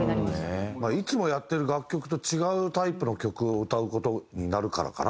いつもやってる楽曲と違うタイプの曲を歌う事になるからかな？